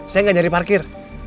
saya nggak nyari parkir